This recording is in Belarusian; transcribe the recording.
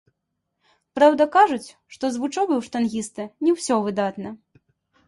Праўда, кажуць, што з вучобай у штангіста не ўсё выдатна.